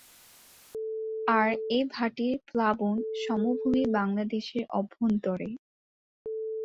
আর এর ভাটির প্লাবন সমভূমি বাংলাদেশের অভ্যন্তরে।